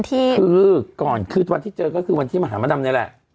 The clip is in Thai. คือก่อนคือวันที่เจอก็คือวันที่มาหามดดำนี่แหละ